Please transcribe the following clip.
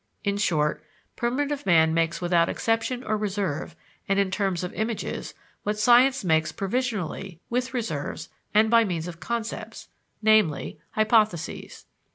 In short, primitive man makes without exception or reserve, and in terms of images, what science makes provisionally, with reserves, and by means of concepts namely, hypotheses.